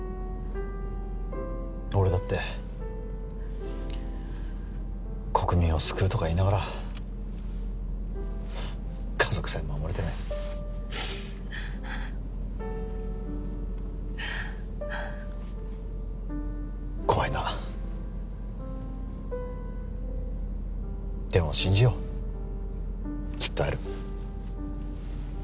俺だって国民を救うとか言いながら家族さえ守れてない怖いなでも信じようきっと会える